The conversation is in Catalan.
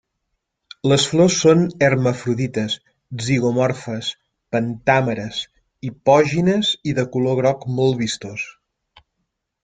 Les flors són hermafrodites, zigomorfes, pentàmeres, hipògines i de color groc molt vistós.